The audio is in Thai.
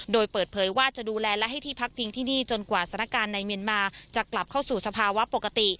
โดยเปิดเผยว่าจะดูแลและให้ที่พักพิงที่นี่จนกว่าสถานการณ์ในเมียนมาจะกลับเข้าสู่สภาวะปกติ